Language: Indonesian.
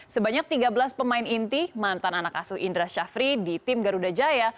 sebanyak tiga belas pemain inti mantan anak asuh indra syafri di tim garuda jaya